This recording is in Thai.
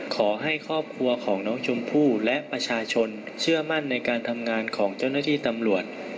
ขอให้ครอบครัวของน้องชมพู่และประชาชนเชื่อมั่นในการทำงานของเจ้าหน้าที่ตำรวจ